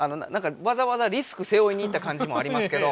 わざわざリスクせおいに行ったかんじもありますけど。